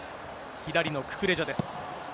左のククレジャです。